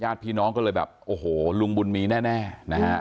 ญาติพี่น้องก็เลยแบบโอ้โหลุงบุญมีแน่นะฮะ